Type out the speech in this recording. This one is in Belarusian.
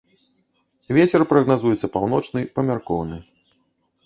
Вецер прагназуецца паўночны, памяркоўны.